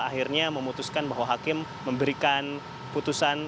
akhirnya memutuskan bahwa hakim memberikan putusan